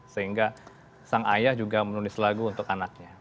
sehingga sang ayah juga menulis lagu untuk anaknya